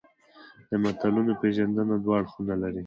د متلونو پېژندنه دوه اړخونه لري